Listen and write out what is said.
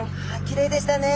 きれいでしたね。